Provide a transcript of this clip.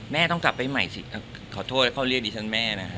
ต้องกลับไปใหม่สิขอโทษแล้วเขาเรียกดิฉันแม่นะฮะ